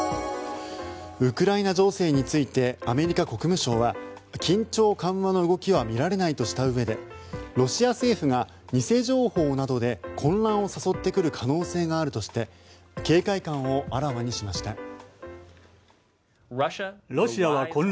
ウクライナ情勢についてアメリカ国務省は緊張緩和の動きは見られないとしたうえでロシア政府が偽情報などで混乱を誘ってくる可能性があるとして警戒感をあらわにしました。